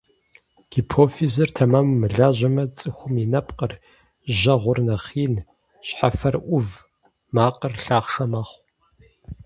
Гипофизыр тэмэму мылажьэмэ, цӀыхум и нэпкъыр, жьэгъур нэхъ ин, щхьэфэр Ӏув, макъыр лъахъшэ мэхъу.